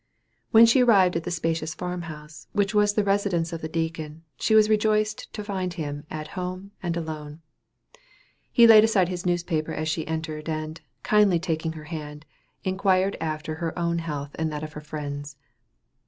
When she arrived at the spacious farm house, which was the residence of the deacon, she was rejoiced to find him at home and alone. He laid aside his newspaper as she entered, and, kindly taking her hand, inquired after her own health and that of her friends.